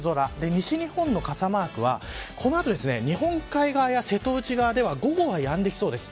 西日本の傘マークはこのあと日本海側や瀬戸内側では午後はやんできそうです。